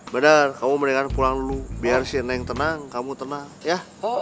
bener kamu mendingan pulang dulu biar si neng tenang kamu tenang ya